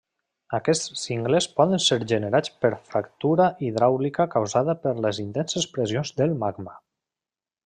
Aquests cingles poden ser generats per fractura hidràulica causada per les intenses pressions del magma.